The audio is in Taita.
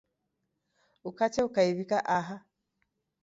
Ukacha ukaiw'ika aha